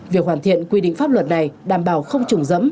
việc hoàn thiện quy định pháp luật này đảm bảo không trùng dẫm